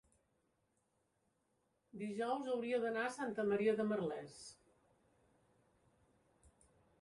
dijous hauria d'anar a Santa Maria de Merlès.